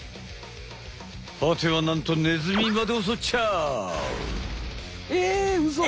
はてはなんとネズミまでおそっちゃう！